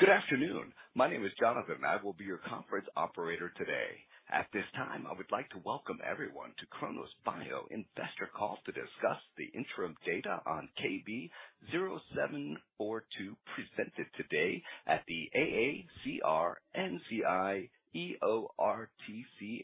Good afternoon. My name is Jonathan, and I will be your conference operator today. At this time, I would like to welcome everyone to Kronos Bio Investor Call to discuss the interim data on KB-0742, presented today at the AACR-NCI-EORTC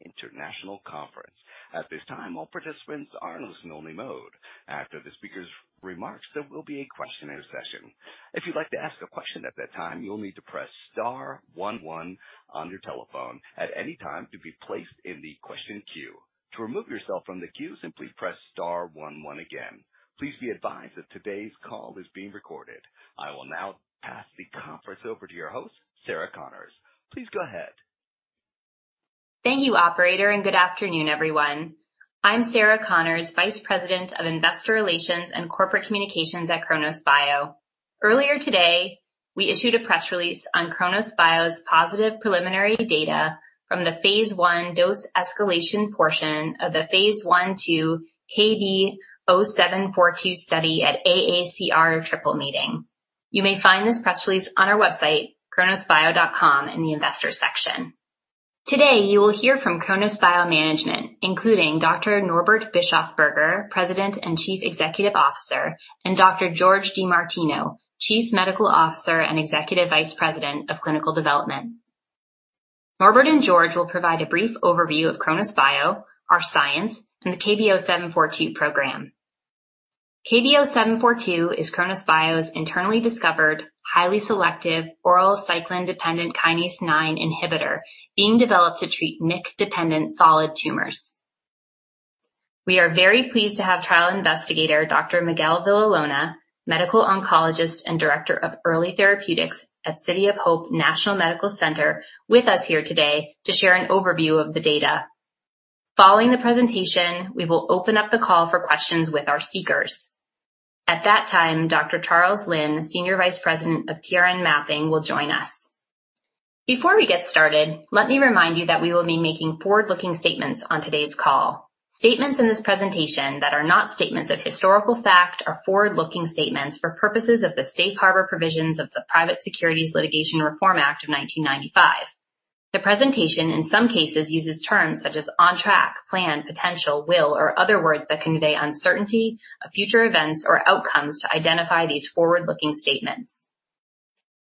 International Conference. At this time, all participants are in listen-only mode. After the speaker's remarks, there will be a question and session. If you'd like to ask a question at that time, you will need to press star one one on your telephone at any time to be placed in the question queue. To remove yourself from the queue, simply press star one one again. Please be advised that today's call is being recorded. I will now pass the conference over to your host, Sarah Connors. Please go ahead. Thank you, operator, and good afternoon, everyone. I'm Sarah Connors, Vice President of Investor Relations and Corporate Communications at Kronos Bio. Earlier today, we issued a press release on Kronos Bio's positive preliminary data from the phase 1 dose escalation portion of the phase 1/2 KB-0742 study at AACR Triple Meeting. You may find this press release on our website, kronosbio.com, in the investor section. Today, you will hear from Kronos Bio Management, including Dr. Norbert Bischofberger, President and Chief Executive Officer, and Dr. Jorge DiMartino, Chief Medical Officer and Executive Vice President of Clinical Development. Norbert and Jorge will provide a brief overview of Kronos Bio, our science, and the KB-0742 program. KB-0742 is Kronos Bio's internally discovered, highly selective oral cyclin-dependent kinase 9 inhibitor being developed to treat MYC-dependent solid tumors. We are very pleased to have trial investigator, Dr. Miguel Villalona-Calero, Medical Oncologist and Director of Early Therapeutics at City of Hope National Medical Center, with us here today to share an overview of the data. Following the presentation, we will open up the call for questions with our speakers. At that time, Dr. Charles Lin, Senior Vice President of TRN Mapping, will join us. Before we get started, let me remind you that we will be making forward-looking statements on today's call. Statements in this presentation that are not statements of historical fact are forward-looking statements for purposes of the Safe Harbor Provisions of the Private Securities Litigation Reform Act of 1995. The presentation, in some cases, uses terms such as on track, plan, potential, will, or other words that convey uncertainty of future events or outcomes, to identify these forward-looking statements.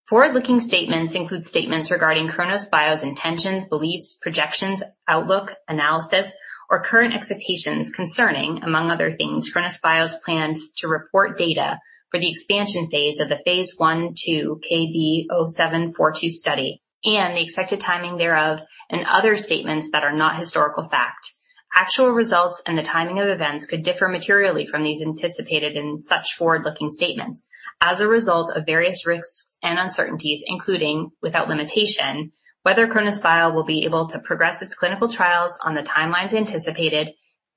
Forward-looking statements include statements regarding Kronos Bio's intentions, beliefs, projections, outlook, analysis, or current expectations concerning, among other things, Kronos Bio's plans to report data for the expansion phase of the phase 1/2 KB-0742 study and the expected timing thereof, and other statements that are not historical fact. Actual results and the timing of events could differ materially from these anticipated in such forward-looking statements as a result of various risks and uncertainties, including without limitation, whether Kronos Bio will be able to progress its clinical trials on the timelines anticipated,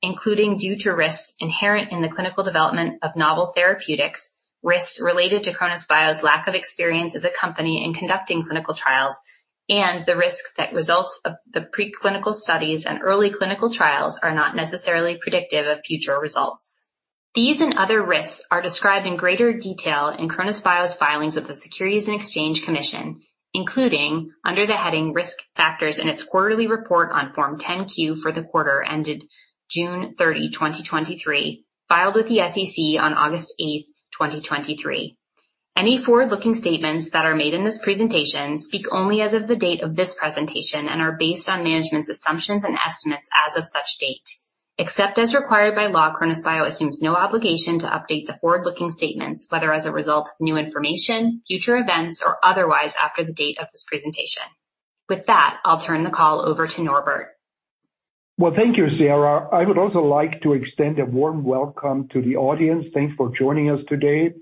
including due to risks inherent in the clinical development of novel therapeutics, risks related to Kronos Bio's lack of experience as a company in conducting clinical trials, and the risks that results of the preclinical studies and early clinical trials are not necessarily predictive of future results. These and other risks are described in greater detail in Kronos Bio's filings with the Securities and Exchange Commission, including under the heading Risk Factors in its quarterly report on Form 10-Q for the quarter ended June 30, 2023, filed with the SEC on August 8, 2023. Any forward-looking statements that are made in this presentation speak only as of the date of this presentation and are based on management's assumptions and estimates as of such date. Except as required by law, Kronos Bio assumes no obligation to update the forward-looking statements, whether as a result of new information, future events, or otherwise, after the date of this presentation. With that, I'll turn the call over to Norbert. Well, thank you, Sarah. I would also like to extend a warm welcome to the audience. Thanks for joining us today.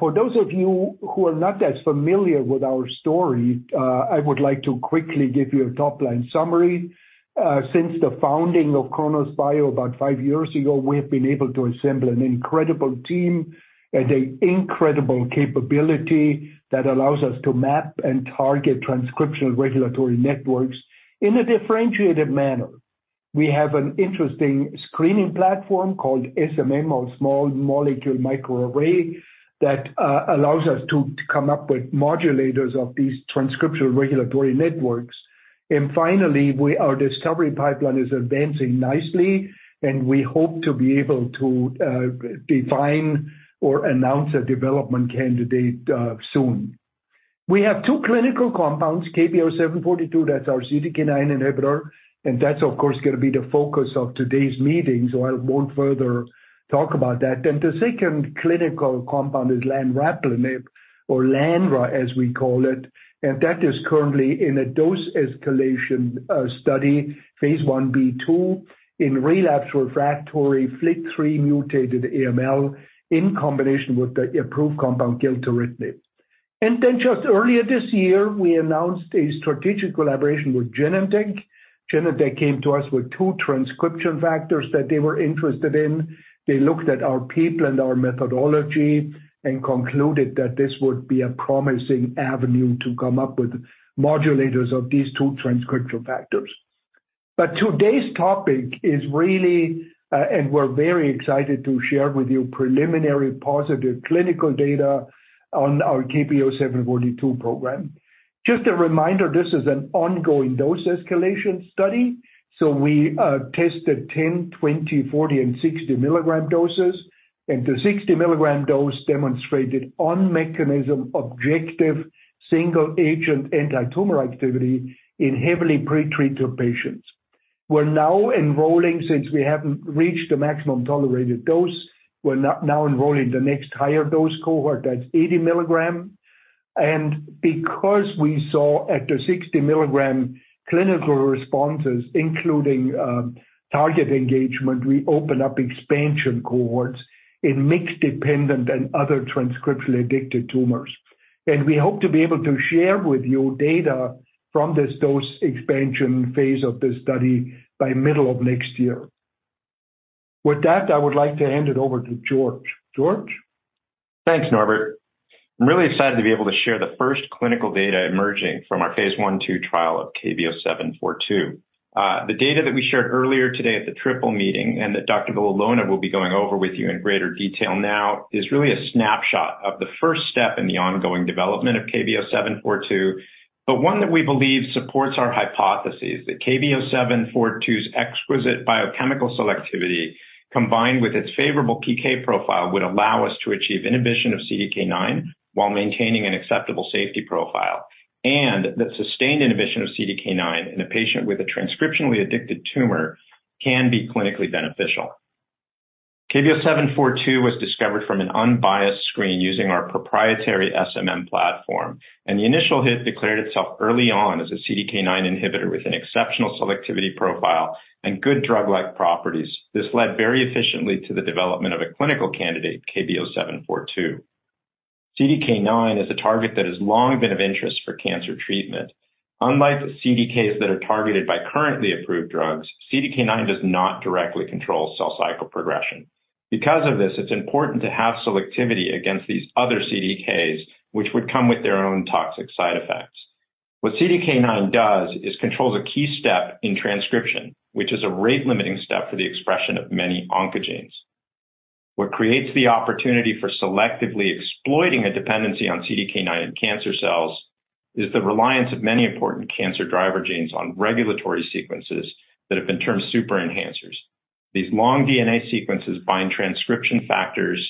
For those of you who are not as familiar with our story, I would like to quickly give you a top-line summary. Since the founding of Kronos Bio about five years ago, we have been able to assemble an incredible team and an incredible capability that allows us to map and target transcriptional regulatory networks in a differentiated manner. We have an interesting screening platform called SMM, or Small Molecule Microarray, that allows us to come up with modulators of these transcriptional regulatory networks. And finally, our discovery pipeline is advancing nicely, and we hope to be able to define or announce a development candidate, soon. We have two clinical compounds, KB-0742, that's our CDK9 inhibitor, and that's, of course, gonna be the focus of today's meeting, so I won't further talk about that. Then the second clinical compound is lanraplenib, or LANRA, as we call it, and that is currently in a dose-escalation study, phase 1b/2, in relapsed/refractory FLT3-mutated AML, in combination with the approved compound, gilteritinib. And then just earlier this year, we announced a strategic collaboration with Genentech. Genentech came to us with two transcription factors that they were interested in. They looked at our people and our methodology and concluded that this would be a promising avenue to come up with modulators of these two transcription factors. But today's topic is really, and we're very excited to share with you preliminary positive clinical data on our KB-0742 program. Just a reminder, this is an ongoing dose escalation study, so we tested 10, 20, 40, and 60 milligram doses, and the 60 milligram dose demonstrated on-mechanism, objective, single-agent antitumor activity in heavily pre-treated patients. We're now enrolling, since we haven't reached the maximum tolerated dose, we're now enrolling the next higher dose cohort, that's 80 milligram. And because we saw at the 60 milligram clinical responses, including target engagement, we open up expansion cohorts in MYC-dependent and other transcriptionally addicted tumors. And we hope to be able to share with you data from this dose expansion phase of this study by middle of next year. With that, I would like to hand it over to Jorge Jorge? Thanks, Norbert. I'm really excited to be able to share the first clinical data emerging from our Phase 1/2 trial of KB-0742. The data that we shared earlier today at the Triple Meeting and that Dr. Villalona will be going over with you in greater detail now, is really a snapshot of the first step in the ongoing development of KB-0742, but one that we believe supports our hypothesis that KB-0742's exquisite biochemical selectivity, combined with its favorable PK profile, would allow us to achieve inhibition of CDK9 while maintaining an acceptable safety profile, and that sustained inhibition of CDK9 in a patient with a transcriptionally addicted tumor can be clinically beneficial. KB-0742 was discovered from an unbiased screen using our proprietary SMM platform, and the initial hit declared itself early on as a CDK9 inhibitor with an exceptional selectivity profile and good drug-like properties. This led very efficiently to the development of a clinical candidate, KB-0742. CDK9 is a target that has long been of interest for cancer treatment. Unlike the CDKs that are targeted by currently approved drugs, CDK9 does not directly control cell cycle progression. Because of this, it's important to have selectivity against these other CDKs, which would come with their own toxic side effects. What CDK9 does is controls a key step in transcription, which is a rate-limiting step for the expression of many oncogenes. What creates the opportunity for selectively exploiting a dependency on CDK9 in cancer cells is the reliance of many important cancer driver genes on regulatory sequences that have been termed super enhancers. These long DNA sequences bind transcription factors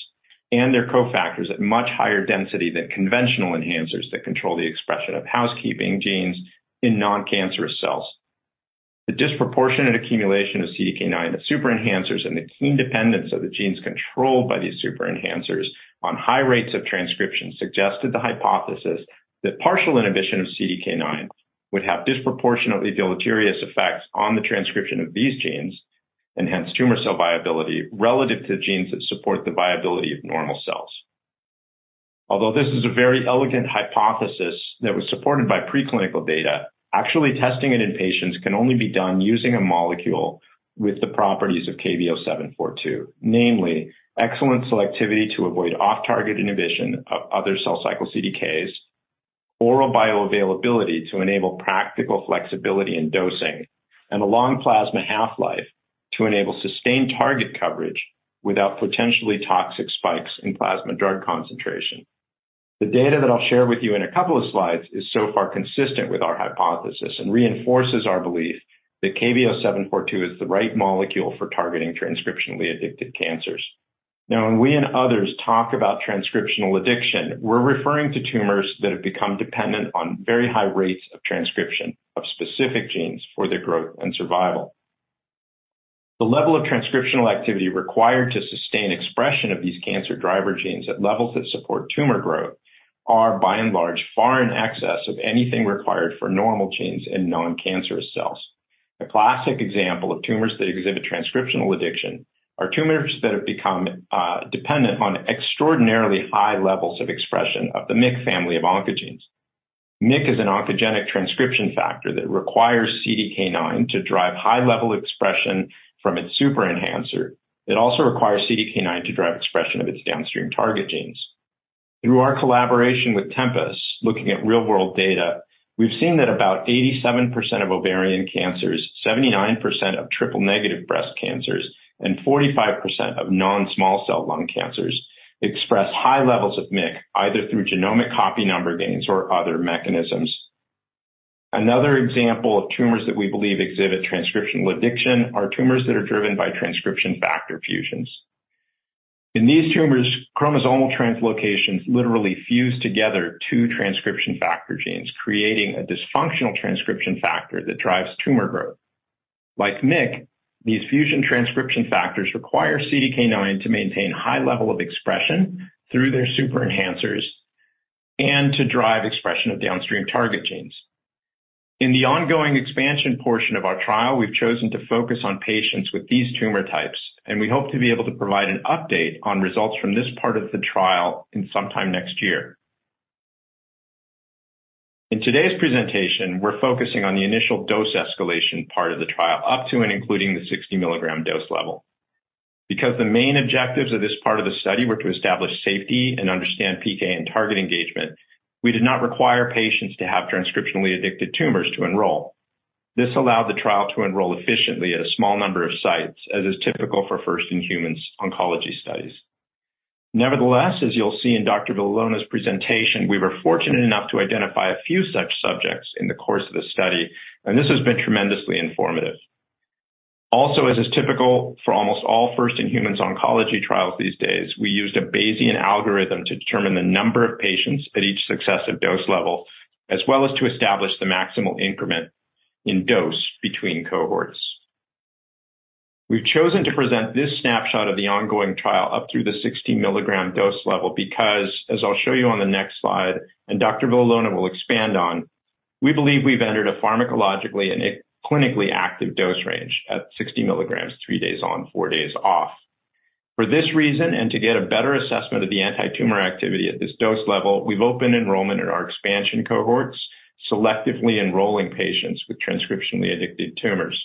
and their cofactors at much higher density than conventional enhancers that control the expression of housekeeping genes in non-cancerous cells. The disproportionate accumulation of CDK9, the super enhancers, and the keen dependence of the genes controlled by these super enhancers on high rates of transcription, suggested the hypothesis that partial inhibition of CDK9 would have disproportionately deleterious effects on the transcription of these genes and hence tumor cell viability relative to genes that support the viability of normal cells. Although this is a very elegant hypothesis that was supported by preclinical data, actually testing it in patients can only be done using a molecule with the properties of KB-0742, namely, excellent selectivity to avoid off-target inhibition of other cell cycle CDKs, oral bioavailability to enable practical flexibility in dosing, and a long plasma half-life to enable sustained target coverage without potentially toxic spikes in plasma drug concentration. The data that I'll share with you in a couple of slides is so far consistent with our hypothesis and reinforces our belief that KB-0742 is the right molecule for targeting transcriptionally addicted cancers. Now, when we and others talk about transcriptional addiction, we're referring to tumors that have become dependent on very high rates of transcription of specific genes for their growth and survival. The level of transcriptional activity required to sustain expression of these cancer driver genes at levels that support tumor growth are, by and large, far in excess of anything required for normal genes in non-cancerous cells. A classic example of tumors that exhibit transcriptional addiction are tumors that have become dependent on extraordinarily high levels of expression of the MYC family of oncogenes. MYC is an oncogenic transcription factor that requires CDK9 to drive high level expression from its super enhancer. It also requires CDK9 to drive expression of its downstream target genes. Through our collaboration with Tempus, looking at real world data, we've seen that about 87% of ovarian cancers, 79% of triple-negative breast cancers, and 45% of non-small cell lung cancers express high levels of MYC, either through genomic copy number gains or other mechanisms. Another example of tumors that we believe exhibit transcriptional addiction are tumors that are driven by transcription factor fusions. In these tumors, chromosomal translocations literally fuse together two transcription factor genes, creating a dysfunctional transcription factor that drives tumor growth. Like MYC, these fusion transcription factors require CDK9 to maintain high level of expression through their super enhancers and to drive expression of downstream target genes. In the ongoing expansion portion of our trial, we've chosen to focus on patients with these tumor types, and we hope to be able to provide an update on results from this part of the trial sometime next year. In today's presentation, we're focusing on the initial dose escalation part of the trial, up to and including the 60 mg dose level. Because the main objectives of this part of the study were to establish safety and understand PK and target engagement, we did not require patients to have transcriptionally addicted tumors to enroll. This allowed the trial to enroll efficiently at a small number of sites, as is typical for first-in-humans oncology studies. Nevertheless, as you'll see in Dr. Villalona-Calero's presentation, we were fortunate enough to identify a few such subjects in the course of this study, and this has been tremendously informative. Also, as is typical for almost all first-in-humans oncology trials these days, we used a Bayesian algorithm to determine the number of patients at each successive dose level, as well as to establish the maximal increment in dose between cohorts. We've chosen to present this snapshot of the ongoing trial up through the 60 mg dose level because, as I'll show you on the next slide, and Dr. Villalona will expand on, we believe we've entered a pharmacologically and a clinically active dose range at 60 mg, three days on, four days off. For this reason, and to get a better assessment of the antitumor activity at this dose level, we've opened enrollment in our expansion cohorts, selectively enrolling patients with transcriptionally addicted tumors.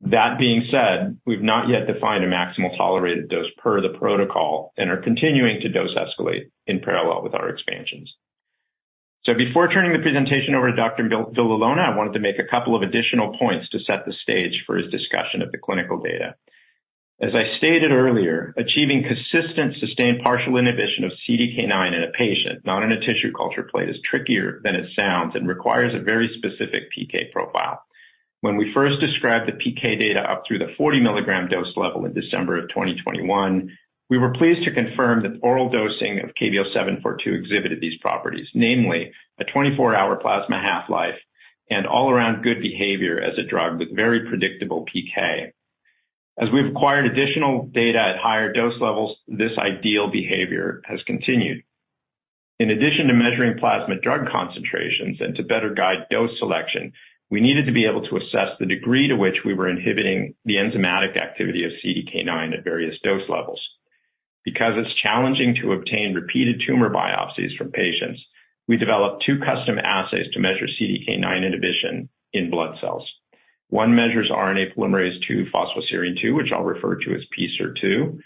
That being said, we've not yet defined a maximal tolerated dose per the protocol and are continuing to dose escalate in parallel with our expansions. So before turning the presentation over to Dr. Villalona, I wanted to make a couple of additional points to set the stage for his discussion of the clinical data. As I stated earlier, achieving consistent, sustained, partial inhibition of CDK9 in a patient, not in a tissue culture plate, is trickier than it sounds and requires a very specific PK profile. When we first described the PK data up through the 40 milligram dose level in December 2021, we were pleased to confirm that oral dosing of KB-0742 exhibited these properties, namely a 24-hour plasma half-life and all-around good behavior as a drug with very predictable PK. As we've acquired additional data at higher dose levels, this ideal behavior has continued. In addition to measuring plasma drug concentrations and to better guide dose selection, we needed to be able to assess the degree to which we were inhibiting the enzymatic activity of CDK9 at various dose levels. Because it's challenging to obtain repeated tumor biopsies from patients, we developed two custom assays to measure CDK9 inhibition in blood cells. One measures RNA polymerase II phosphoserine 2, which I'll refer to as pSer2,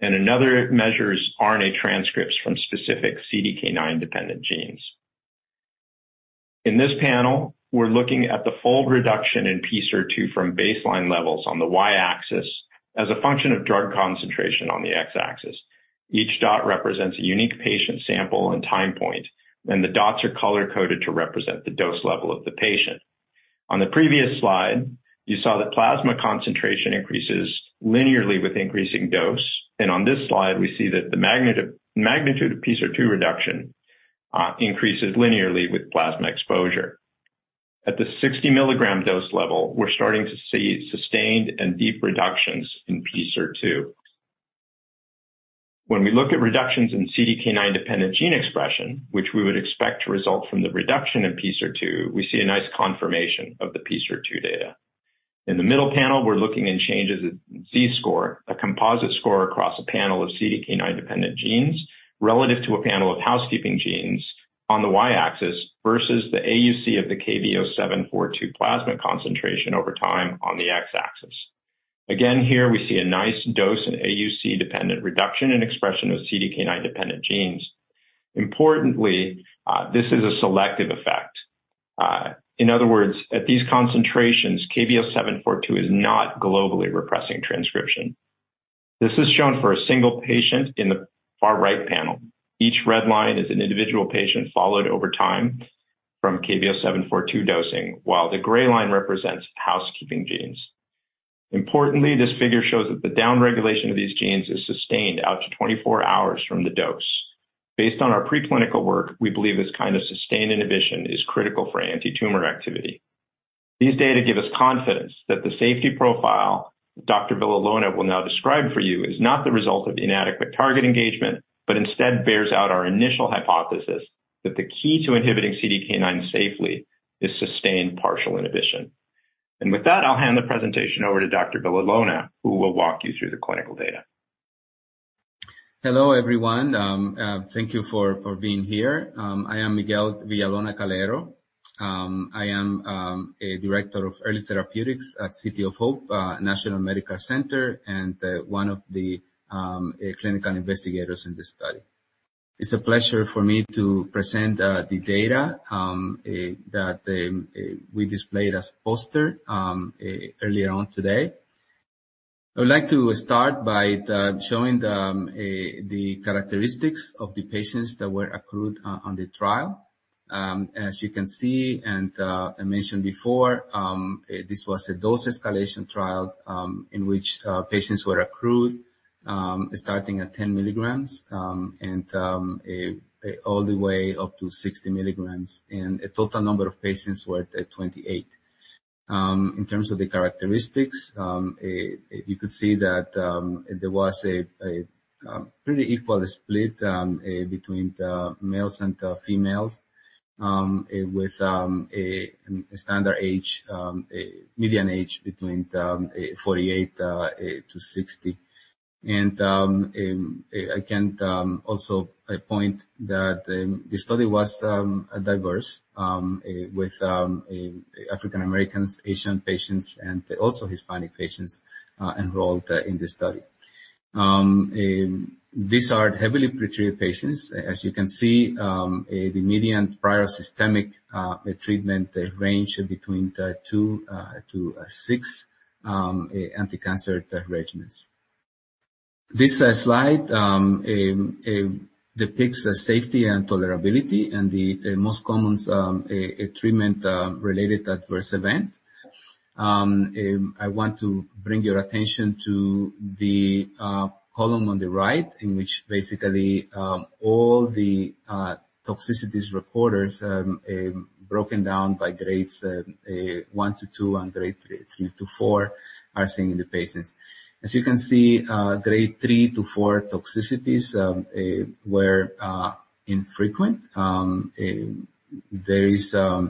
and another measures RNA transcripts from specific CDK9-dependent genes. In this panel, we're looking at the fold reduction in pSer2 from baseline levels on the Y-axis as a function of drug concentration on the X-axis. Each dot represents a unique patient sample and time point, and the dots are color-coded to represent the dose level of the patient. On the previous slide, you saw that plasma concentration increases linearly with increasing dose, and on this slide, we see that the magnitude, magnitude of pSer2 reduction, increases linearly with plasma exposure. At the 60 milligram dose level, we're starting to see sustained and deep reductions in pSer2. When we look at reductions in CDK9-dependent gene expression, which we would expect to result from the reduction in pSer2, we see a nice confirmation of the pSer2 data. In the middle panel, we're looking in changes in Z-score, a composite score across a panel of CDK9-dependent genes relative to a panel of housekeeping genes on the Y-axis versus the AUC of the KB-0742 plasma concentration over time on the X-axis. Again, here we see a nice dose in AUC-dependent reduction in expression of CDK9-dependent genes. Importantly, this is a selective effect. In other words, at these concentrations, KB-0742 is not globally repressing transcription. This is shown for a single patient in the far right panel. Each red line is an individual patient followed over time from KB-0742 dosing, while the gray line represents housekeeping genes. Importantly, this figure shows that the downregulation of these genes is sustained out to 24 hours from the dose. Based on our preclinical work, we believe this kind of sustained inhibition is critical for antitumor activity. These data give us confidence that the safety profile Dr. Villalona will now describe for you is not the result of inadequate target engagement, but instead bears out our initial hypothesis that the key to inhibiting CDK9 safely is sustained partial inhibition. And with that, I'll hand the presentation over to Dr. Villalona, who will walk you through the clinical data. Hello, everyone. Thank you for being here. I am Miguel Villalona-Calero. I am a director of Early Therapeutics at City of Hope National Medical Center and one of the clinical investigators in this study. It's a pleasure for me to present the data that we displayed as poster earlier on today. I would like to start by showing the characteristics of the patients that were accrued on the trial. As you can see and I mentioned before, this was a dose escalation trial in which patients were accrued starting at 10 milligrams and all the way up to 60 milligrams, and a total number of patients were at 28. In terms of the characteristics, you could see that there was a pretty equal split between the males and the females, with a standard age, a median age between 48-60. I can also point that the study was diverse with African Americans, Asian patients, and also Hispanic patients enrolled in this study. These are heavily pre-treated patients. As you can see, the median prior systemic treatment range between 2-6 anticancer regimens. This slide depicts the safety and tolerability and the most common treatment-related adverse event. I want to bring your attention to the column on the right, in which basically all the toxicities reported, broken down by grades 1-2 and grade 3-4, are seen in the patients. As you can see, grade 3-4 toxicities were infrequent. There is a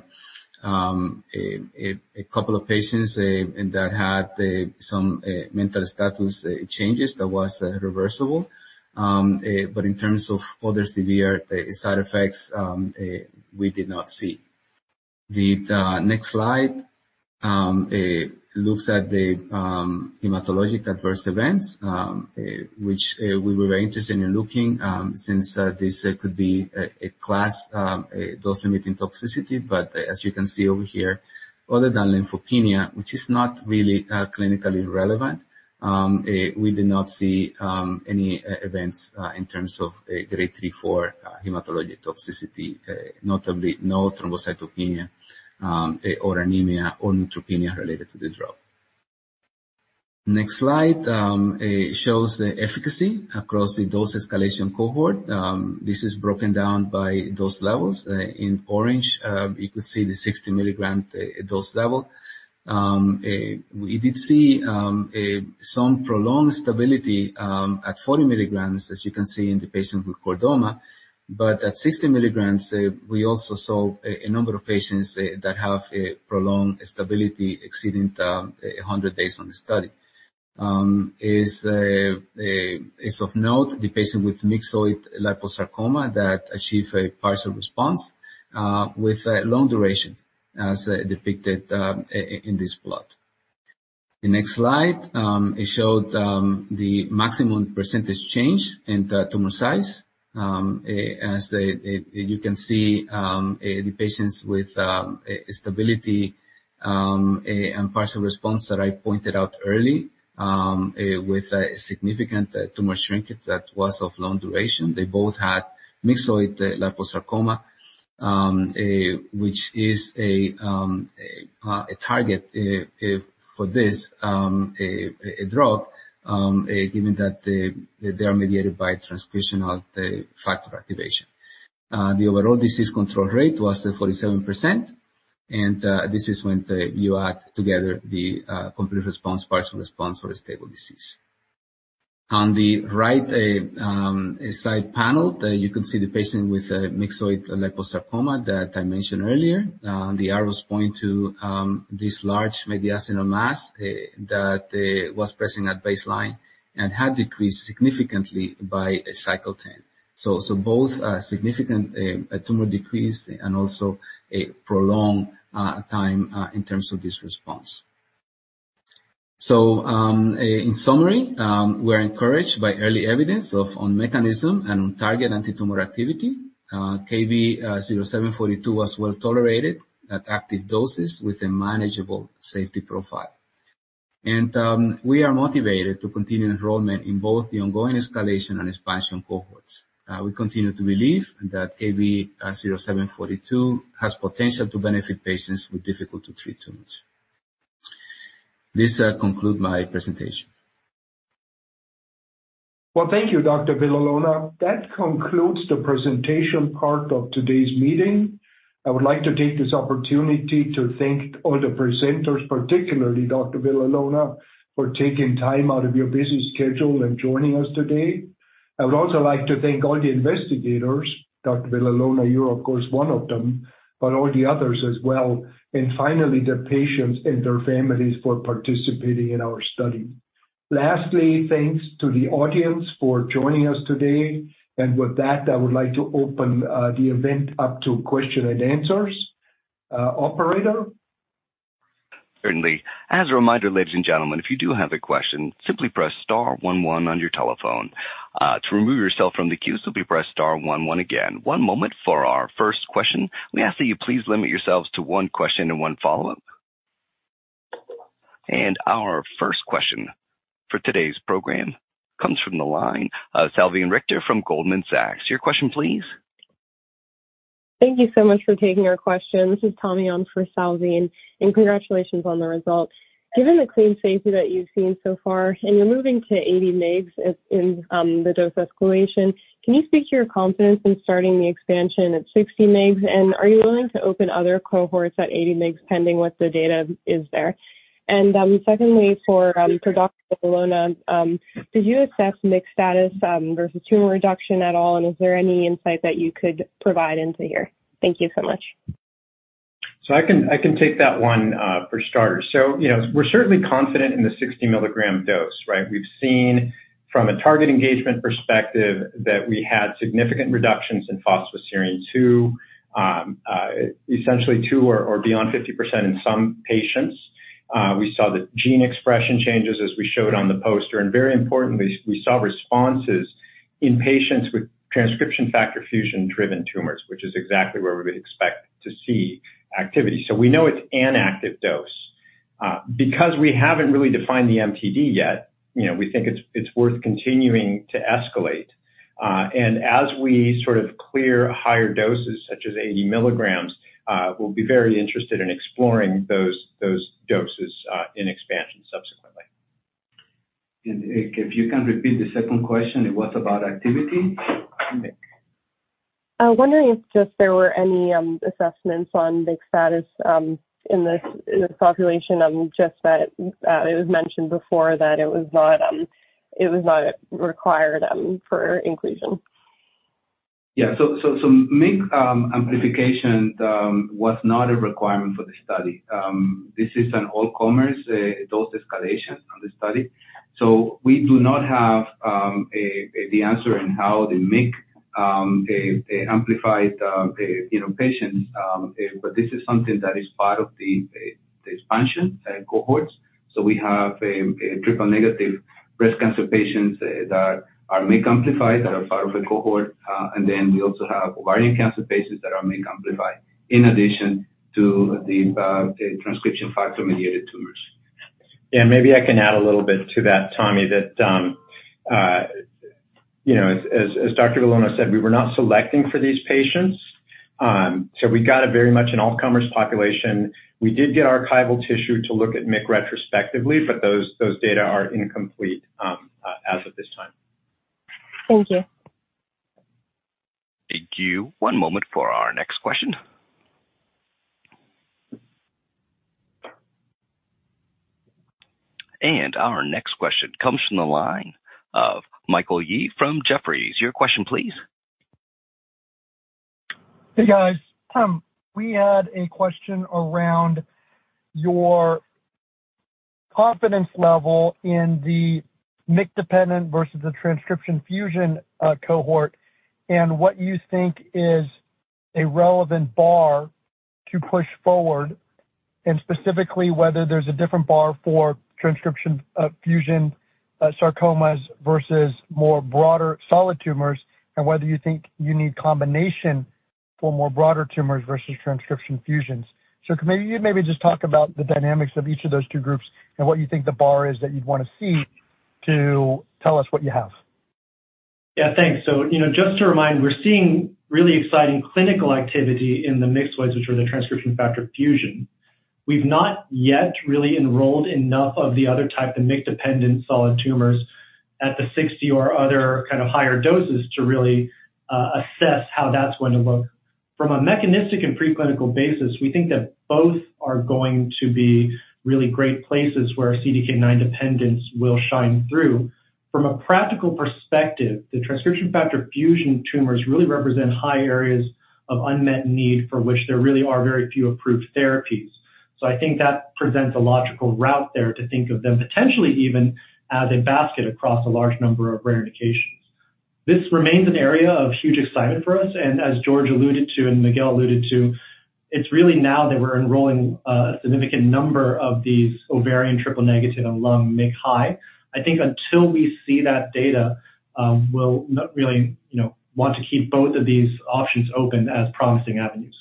couple of patients that had some mental status changes that was reversible. But in terms of other severe side effects, we did not see. The next slide looks at the hematologic adverse events, which we were very interested in looking, since this could be a class dose-limiting toxicity. But as you can see over here, other than lymphopenia, which is not really clinically relevant, we did not see any events in terms of grade 3 for hematologic toxicity, notably no thrombocytopenia, or anemia, or neutropenia related to the drug. Next slide shows the efficacy across the dose escalation cohort. This is broken down by dose levels. In orange, you can see the 60 milligram dose level. We did see some prolonged stability at 40 milligrams, as you can see in the patient with chordoma, but at 60 milligrams, we also saw a number of patients that have a prolonged stability exceeding 100 days on the study. Is of note, the patient with myxoid liposarcoma that achieve a partial response with a long duration, as depicted in this plot. The next slide, it showed the maximum percentage change in the tumor size. As you can see, the patients with stability and partial response that I pointed out early with a significant tumor shrinkage that was of long duration. They both had myxoid liposarcoma, which is a target for this drug, given that they are mediated by transcription of the factor activation. The overall disease control rate was 47%, and this is when you add together the complete response, partial response, or a stable disease. On the right side panel, you can see the patient with a myxoid liposarcoma that I mentioned earlier. The arrows point to this large mediastinal mass that was present at baseline and had decreased significantly by cycle 10. So both a significant tumor decrease and also a prolonged time in terms of this response. So in summary, we're encouraged by early evidence of on mechanism and on target antitumor activity. KB-0742 was well tolerated at active doses with a manageable safety profile. And we are motivated to continue enrollment in both the ongoing escalation and expansion cohorts. We continue to believe that KB-0742 has potential to benefit patients with difficult to treat tumors. This conclude my presentation. Well, thank you, Dr. Villalona. That concludes the presentation part of today's meeting. I would like to take this opportunity to thank all the presenters, particularly Dr. Villalona, for taking time out of your busy schedule and joining us today. I would also like to thank all the investigators, Dr. Villalona, you are, of course, one of them, but all the others as well. And finally, the patients and their families for participating in our study. Lastly, thanks to the audience for joining us today. And with that, I would like to open the event up to question and answers. Operator? Certainly. As a reminder, ladies and gentlemen, if you do have a question, simply press star one one on your telephone. To remove yourself from the queue, simply press star one one again. One moment for our first question. We ask that you please limit yourselves to one question and one follow-up. Our first question for today's program comes from the line, Salveen Richter from Goldman Sachs. Your question, please. Thank you so much for taking our question. This is Tammy on for Salveen, and congratulations on the result. Given the clean safety that you've seen so far, and you're moving to 80 mg in the dose escalation, can you speak to your confidence in starting the expansion at 60 mg? And are you willing to open other cohorts at 80 mg, pending what the data is there? And, secondly, for Dr. Villalona, did you assess mixed status versus tumor reduction at all? And is there any insight that you could provide into here? Thank you so much. I can take that one, for starters. You know, we're certainly confident in the 60 mg dose, right? We've seen from a target engagement perspective that we had significant reductions in phosphoserine two, essentially two or beyond 50% in some patients. We saw the gene expression changes as we showed on the poster, and very importantly, we saw responses in patients with transcription factor fusion-driven tumors, which is exactly where we would expect to see activity. We know it's an active dose. Because we haven't really defined the MTD yet, you know, we think it's worth continuing to escalate. As we sort of clear higher doses, such as 80 mg, we'll be very interested in exploring those doses in expansion subsequently. If you can repeat the second question, it was about activity? Wondering if just there were any assessments on MYC status in this population, just that it was mentioned before that it was not a required item for inclusion? Yeah. So MYC amplification was not a requirement for the study. This is an all-comers dose escalation on the study, so we do not have the answer in how the MYC amplified you know patients, but this is something that is part of the expansion cohorts. So we have triple-negative breast cancer patients that are MYC amplified, that are part of the cohort, and then we also have ovarian cancer patients that are MYC amplified, in addition to the transcription factor-mediated tumors. Yeah, maybe I can add a little bit to that, Tammy, that, you know, as Dr. Villalona-Calero said, we were not selecting for these patients. So we got a very much an all-comers population. We did get archival tissue to look at MYC retrospectively, but those, those data are incomplete, as of this time. Thank you. Thank you. One moment for our next question. Our next question comes from the line of Michael Yee from Jefferies. Your question, please. Hey, guys. We had a question around your confidence level in the MYC-dependent versus the transcription fusion cohort, and what you think is a relevant bar to push forward. And specifically, whether there's a different bar for transcription fusion sarcomas versus more broader solid tumors, and whether you think you need combination for more broader tumors versus transcription fusions. So could maybe you maybe just talk about the dynamics of each of those two groups and what you think the bar is that you'd want to see, to tell us what you have? Yeah, thanks. So, you know, just to remind, we're seeing really exciting clinical activity in the MYC, which are the transcription factor fusion. We've not yet really enrolled enough of the other type, the MYC-dependent solid tumors, at the 60 or other kind of higher doses to really assess how that's going to look. From a mechanistic and preclinical basis, we think that both are going to be really great places where CDK9 dependence will shine through. From a practical perspective, the transcription factor fusion tumors really represent high areas of unmet need, for which there really are very few approved therapies. So I think that presents a logical route there to think of them, potentially even as a basket across a large number of rare indications. This remains an area of huge excitement for us, and as Jorge alluded to, and Miguel alluded to, it's really now that we're enrolling, a significant number of these ovarian triple-negative and lung MYC high. I think until we see that data, we'll not really, you know, want to keep both of these options open as promising avenues.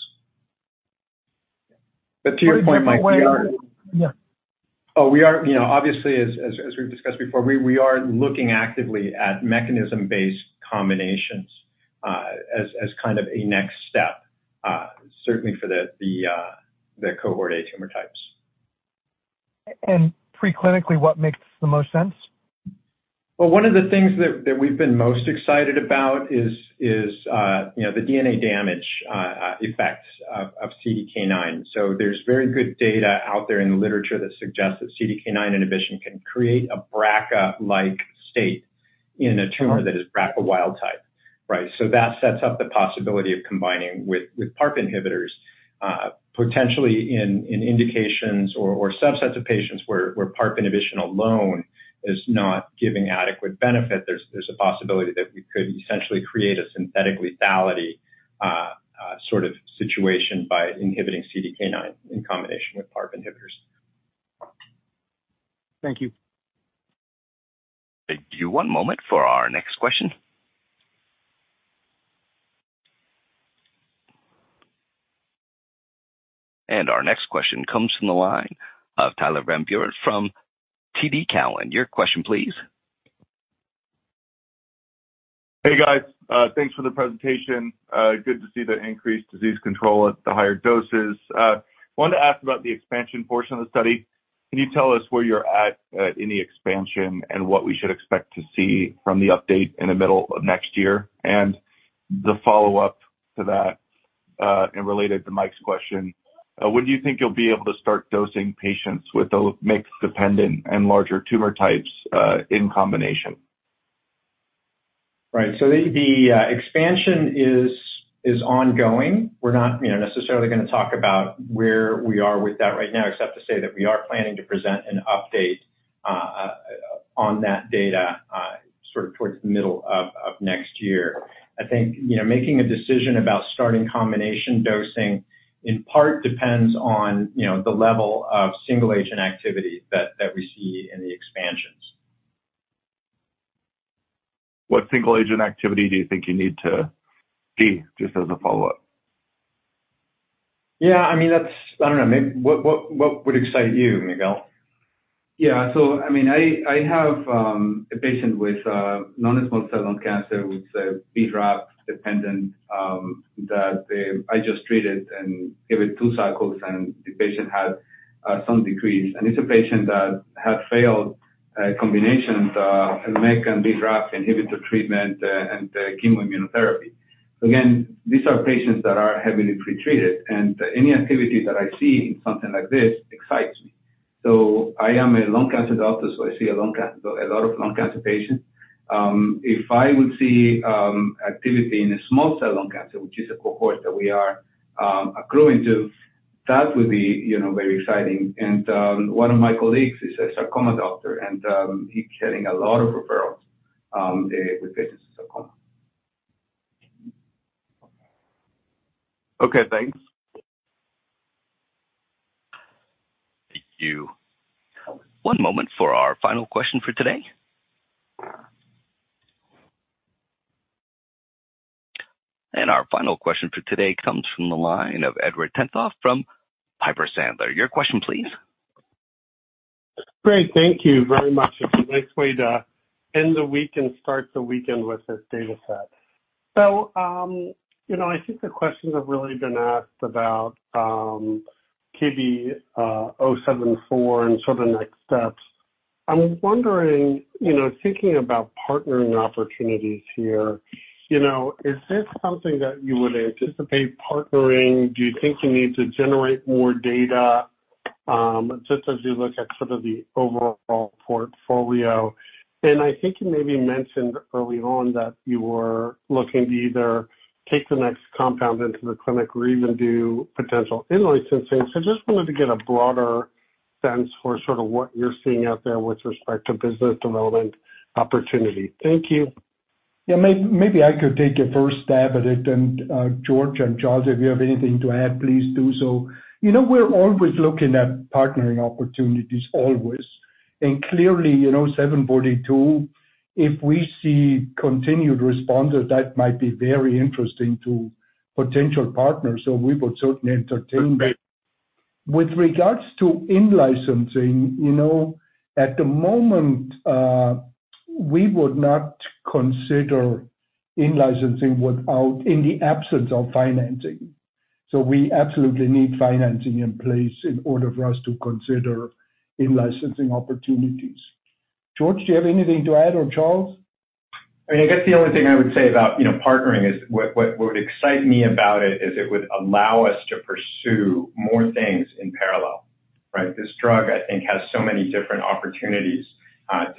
But to your point, Mike, we are- Yeah. Oh, we are, you know, obviously, as we've discussed before, we are looking actively at mechanism-based combinations, as kind of a next step, certainly for the cohort A tumor types. Preclinically, what makes the most sense? Well, one of the things that we've been most excited about is, you know, the DNA damage effects of CDK9. So there's very good data out there in the literature that suggests that CDK9 inhibition can create a BRCA-like state in a tumor that is BRCA wild type, right? So that sets up the possibility of combining with PARP inhibitors, potentially in indications or subsets of patients where PARP inhibition alone is not giving adequate benefit. There's a possibility that we could essentially create a synthetic lethality sort of situation by inhibiting CDK9 in combination with PARP inhibitors. Thank you. Thank you. One moment for our next question. Our next question comes from the line of Tyler Van Buren from TD Cowen. Your question, please. Hey, guys. Thanks for the presentation. Good to see the increased disease control at the higher doses. Wanted to ask about the expansion portion of the study. Can you tell us where you're at in the expansion and what we should expect to see from the update in the middle of next year? And the follow-up to that, and related to Mike's question, when do you think you'll be able to start dosing patients with the MYC-dependent and larger tumor types in combination? ...Right. So the expansion is ongoing. We're not, you know, necessarily gonna talk about where we are with that right now, except to say that we are planning to present an update on that data, sort of towards the middle of next year. I think, you know, making a decision about starting combination dosing, in part, depends on, you know, the level of single-agent activity that we see in the expansions. What single-agent activity do you think you need to see? Just as a follow-up. Yeah, I mean, that's- I don't know. What would excite you, Miguel? Yeah. So I mean, I have a patient with non-small cell lung cancer who's BRAF dependent, that I just treated and gave it 2 cycles, and the patient had some decrease. And it's a patient that had failed combinations of MEK and BRAF inhibitor treatment, and chemoimmunotherapy. So again, these are patients that are heavily pretreated, and any activity that I see in something like this excites me. So I am a lung cancer doctor, so I see a lot of lung cancer patients. If I would see activity in a small cell lung cancer, which is a cohort that we are accruing to, that would be, you know, very exciting. And one of my colleagues is a sarcoma doctor, and he's getting a lot of referrals with patients with sarcoma. Okay, thanks. Thank you. One moment for our final question for today. Our final question for today comes from the line of Edward Tenthoff from Piper Sandler. Your question please. Great, thank you very much. It's a nice way to end the week and start the weekend with this data set. So, you know, I think the questions have really been asked about, KB-0742 and sort of next steps. I'm wondering, you know, thinking about partnering opportunities here, you know, is this something that you would anticipate partnering? Do you think you need to generate more data, just as you look at sort of the overall portfolio? And I think you maybe mentioned early on that you were looking to either take the next compound into the clinic or even do potential in-licensing. So just wanted to get a broader sense for sort of what you're seeing out there with respect to business development opportunity. Thank you. Yeah, maybe I could take a first stab at it, and Jorge and Charles, if you have anything to add, please do so. You know, we're always looking at partnering opportunities, always. Clearly, you know, 742, if we see continued responders, that might be very interesting to potential partners, so we would certainly entertain that. With regards to in-licensing, you know, at the moment, we would not consider in-licensing without, in the absence of financing. So we absolutely need financing in place in order for us to consider in-licensing opportunities. Jorge, do you have anything to add, or Charles? I mean, I guess the only thing I would say about, you know, partnering is what would excite me about it, is it would allow us to pursue more things in parallel, right? This drug, I think, has so many different opportunities,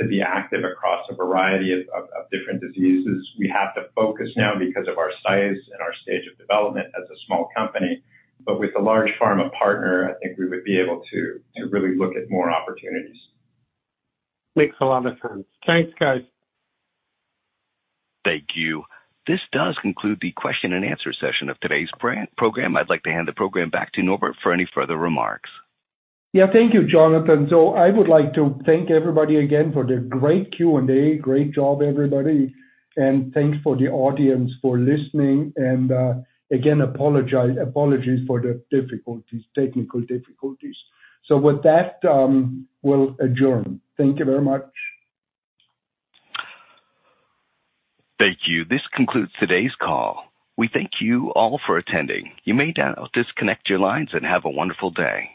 to be active across a variety of different diseases. We have to focus now because of our size and our stage of development as a small company, but with a large pharma partner, I think we would be able to really look at more opportunities. Makes a lot of sense. Thanks, guys. Thank you. This does conclude the question and answer session of today's brand program. I'd like to hand the program back to Norbert for any further remarks. Yeah, thank you, Jonathan. So I would like to thank everybody again for their great Q&A. Great job, everybody, and thanks for the audience for listening, and again, apologize, apologies for the difficulties, technical difficulties. So with that, we'll adjourn. Thank you very much. Thank you. This concludes today's call. We thank you all for attending. You may now disconnect your lines, and have a wonderful day.